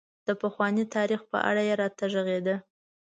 د پخواني تاريخ په اړه یې راته غږېده.